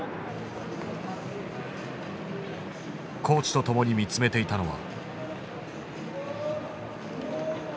コーチと共に見つめていたのは。